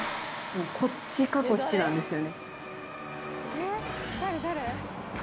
こっちかこっちなんですよね。